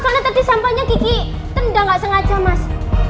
soalnya tadi sampahnya gigi tendang nggak sengaja mas